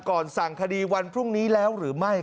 ก่อนสั่งคดีวันพรุ่งนี้แล้วหรือไม่